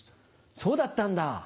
そうだったんだ。